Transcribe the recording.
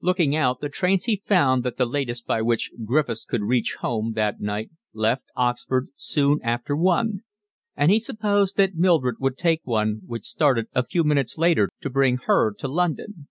Looking out the trains he found that the latest by which Griffiths could reach home that night left Oxford soon after one, and he supposed that Mildred would take one which started a few minutes later to bring her to London.